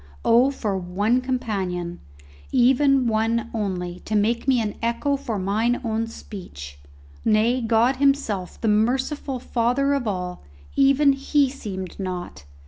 Oh, for one companion, even one only, to make me an echo for mine own speech! Nay, God Himself, the merciful Father of all, even He seemed not!